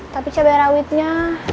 tapi cabai rawitnya